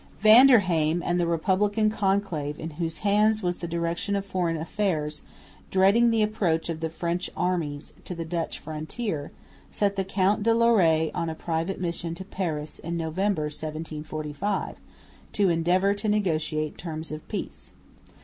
Van der Heim and the Republican conclave in whose hands was the direction of foreign affairs, dreading the approach of the French armies to the Dutch frontier, sent the Count de Larrey on a private mission to Paris in November, 1745, to endeavour to negotiate terms of peace.